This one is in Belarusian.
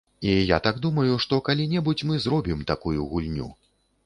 І я так думаю, што калі-небудзь мы зробім такую гульню.